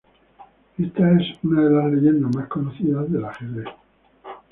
Esta es una de las leyendas más conocidas del ajedrez.